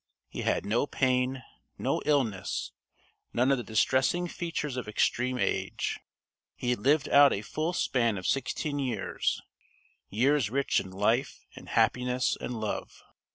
He had no pain, no illness, none of the distressing features of extreme age. He had lived out a full span of sixteen years years rich in life and happiness and love.